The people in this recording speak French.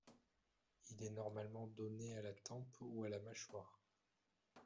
Il est normalement donné à la tempe ou à la mâchoire.